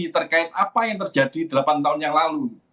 terkait apa yang terjadi delapan tahun yang lalu